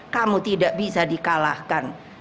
kamu tidak bisa dikalahkan